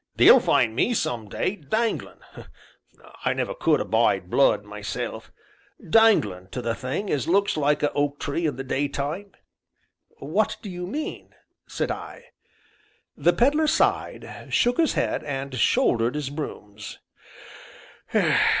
They'll find me some day, danglin' I never could abide 'blood myself danglin' to the thing as looks like a oak tree in the daytime." "What do you mean?" said I. The Pedler sighed, shook his head, and shouldered his brooms.